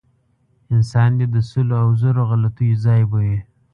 انسان دی د سلو او زرو غلطیو ځای به وي.